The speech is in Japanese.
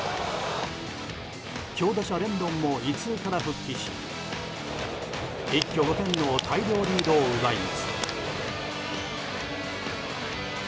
強打者レンドンも胃痛から復帰し一挙５点の大量リードを奪います。